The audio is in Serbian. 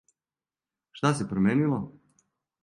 Шта се променило?